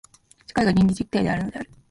社会が倫理的実体であるのである。